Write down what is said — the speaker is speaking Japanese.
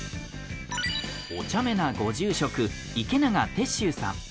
おちゃめなご住職池永哲宗さん。